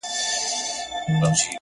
زما گلاب ،گلاب دلبره نور به نه درځمه،